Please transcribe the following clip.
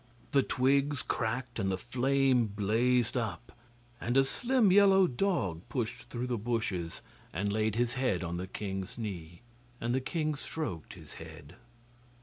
The twigs cracked and the flame blazed up, and a slim yellow dog pushed through the bushes and laid his head on the king's knee, and the king stroked his head.